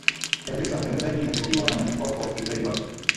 taarifa ya mtangazaji inatakiwa na manufaa kwa waskilizaji wake